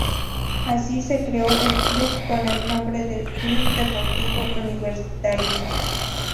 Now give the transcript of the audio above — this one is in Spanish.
Así se creó el club con el nombre de Club Deportivo Universitario.